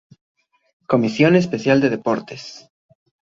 Comisión Especial de Deportes.